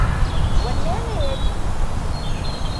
Wanne ne ya fi?